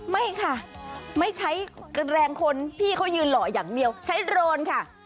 ไม่ค่ะไม่ใช้แรงคนพี่เขายืนหล่ออย่างเดียวใช้โดรนค่ะ